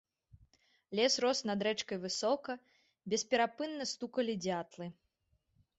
Лес рос над рэчкай высока, бесперапынна стукалі дзятлы.